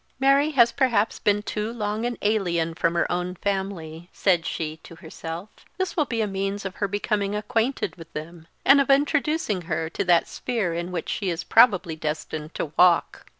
"Mary has perhaps been too long an alien from her own family," said she to herself; "this will be a means of her becoming acquainted with them, and of introducing her to that sphere in which she is probably destined to walk.